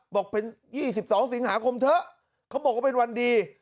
บอกเป็น๒๒สิงหาคมเถอะเขาบอกว่าเป็นวันดี